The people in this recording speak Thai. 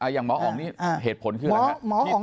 อย่างหมออ๋องนี่เหตุผลคืออะไรครับ